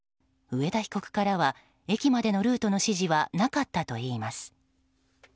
上田被告からは駅までのルートの指示はなかったといいます。